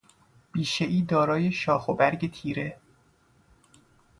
بیشهای دارای شاخ و برگ تیره